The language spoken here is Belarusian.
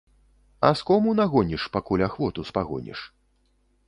Аскому нагоніш, пакуль ахвоту спагоніш.